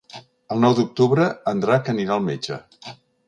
El nou d'octubre en Drac anirà al metge.